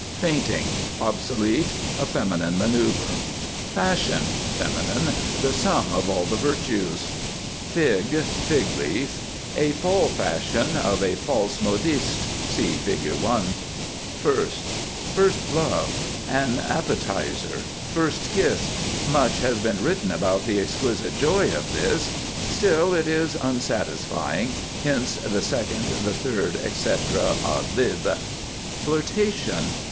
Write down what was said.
FAINTING. (Obsolete.) A feminine manœuvre. FASHION. Fem. The sum of all the virtues. [Illustration: FIG 1] FIG, Fig Leaf. A Fall Fashion of a false modiste. See Fig. 1. FIRST. First Love. An appetiser. First Kiss. Much has been written about the exquisite joy of this, still it is unsatisfying, hence the Second, the Third, etc., ad lib. FLIRTATION.